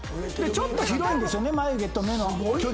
ちょっと広いんですよね眉毛と目の距離が。